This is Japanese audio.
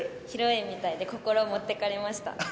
披露宴みたいで心持ってかれました。